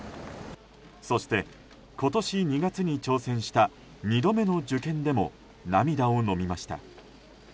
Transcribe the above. そして、今年２月に挑戦した２度目の受験でも涙を飲みました。